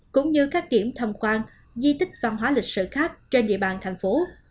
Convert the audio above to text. cũng như các điểm thăm quan di tích văn hóa lịch sử khác trên địa bàn thành phố